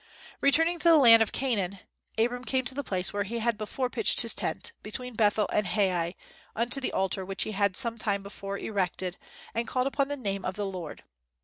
Returning to the land of Canaan, Abram came to the place where he had before pitched his tent, between Bethel and Hai, unto the altar which he had some time before erected, and called upon the name of the Lord.